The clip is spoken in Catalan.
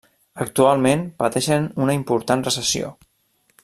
Actualment pateixen una important recessió.